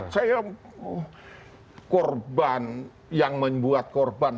saya korban yang membuat korban